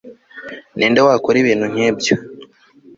Ninde wakora ibintu nkibyo